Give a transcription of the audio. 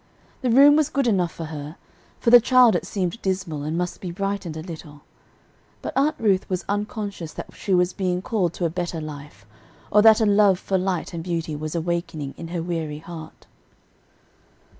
The room was good enough for her: for the child it seemed dismal and must be brightened a little. But Aunt Ruth was unconscious that she was being called to a better life, or that a love for light and beauty was awakening in her weary heart.